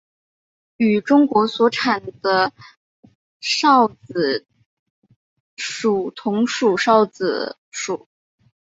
与中国所产的韶子同属韶子属。